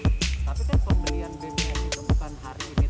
terima kasih saudara saudara kami yang ada di seluruh indonesia